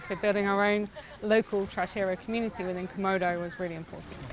jadi membangun komunitas trash hero lokal di komodo ini sangat penting